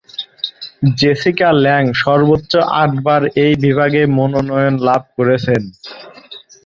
Jessica Lange সর্বোচ্চ আটবার এই বিভাগে মনোনয়ন লাভ করেছেন।